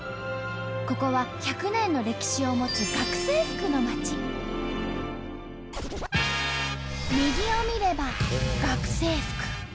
ここは１００年の歴史を持つ右を見れば「学生服」。